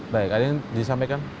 baik ada yang disampaikan